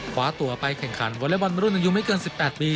ขวาตัวไปแข่งขันเวลาบรรยบรรณรุ่นอายุไม่เกิน๑๘ปี